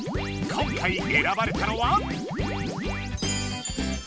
今回えらばれたのは？